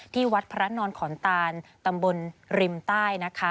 ที่วัดพระนอนขอนตานตำบลริมใต้นะคะ